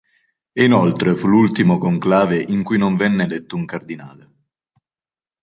E inoltre fu l'ultimo conclave in cui non venne eletto un cardinale.